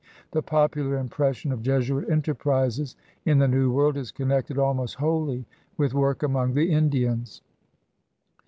The popular impres sion of Jesuit enterprises in the New World is connected almost wholly with work among the Indians.